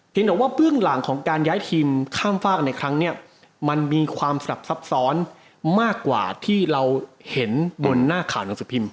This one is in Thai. แต่ว่าเบื้องหลังของการย้ายทีมข้ามฝากกันในครั้งนี้มันมีความสลับซับซ้อนมากกว่าที่เราเห็นบนหน้าข่าวหนังสือพิมพ์